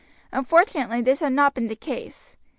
Unfortunately this had not been the case.